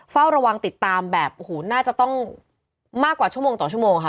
เฝ้าระวังติดตามแบบโอ้โหน่าจะต้องมากกว่าชั่วโมงต่อชั่วโมงค่ะ